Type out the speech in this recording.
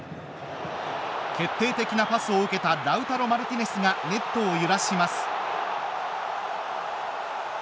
決定的なパスを受けたラウタロ・マルティネスがネットを揺らします。